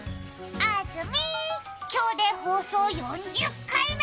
あずみ、今日で放送４０回目！